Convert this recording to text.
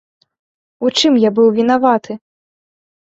У чым я быў вінаваты?